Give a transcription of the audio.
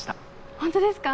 ホントですか？